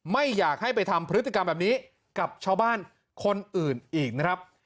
ไม่อยากให้ไปทำพฤติกรรมแบบนี้กับชาวบ้านคนอื่นอีกนะครับ